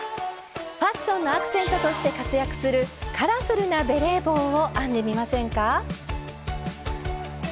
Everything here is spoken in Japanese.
ファッションのアクセントとして活躍するカラフルなベレー帽を編んでみませんか？